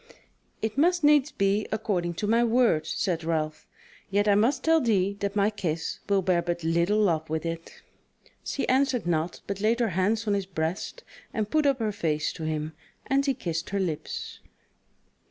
"It must needs be according to my word," said Ralph, "yet I must tell thee that my kiss will bear but little love with it." She answered naught but laid her hands on his breast and put up her face to him, and he kissed her lips.